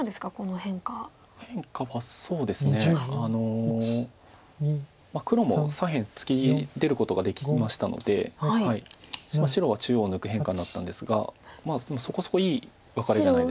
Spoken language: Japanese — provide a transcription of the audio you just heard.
変化は黒も左辺突き出ることができましたので白は中央抜く変化だったんですがまあそこそこいいワカレじゃないでしょうか。